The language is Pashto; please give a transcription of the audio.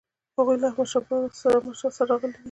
هغوی له احمدشاه سره راغلي دي.